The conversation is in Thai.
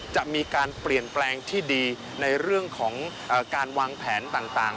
จะมีการเปลี่ยนแปลงที่ดีในเรื่องของการวางแผนต่าง